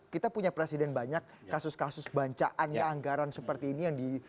kita punya presiden banyak kasus kasus bancaannya anggaran seperti ini yang di